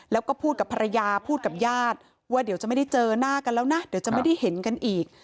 แล้วก็พูดกับภรรยาพูดกับญาติว่าเดี๋ยวจะไม่ได้เจอหน้ากันแล้วนะเดี๋ยวจะไม่ได้เห็นกันอีก